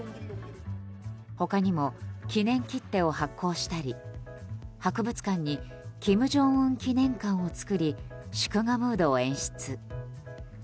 他にも記念切手を発行したり博物館に金正恩記念館を作り祝賀ムードを演出。